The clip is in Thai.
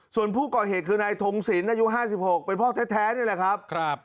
ส่วนผู้ก่อเหตุคือนายทงศิลปอายุ๕๖เป็นพ่อแท้นี่แหละครับ